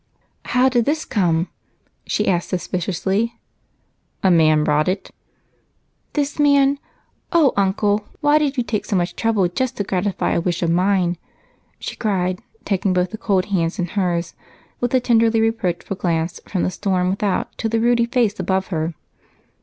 "How did this come?" she asked suspiciously. "A man brought it." "This man? Oh, Uncle! Why did you take so much trouble just to gratify a wish of mine?" she cried, taking both the cold hands in hers with a tenderly reproachful glance from the storm without to the ruddy face above her.